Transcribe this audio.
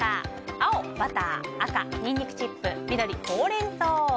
青、バター赤、ニンニクチップ緑、ホウレンソウ。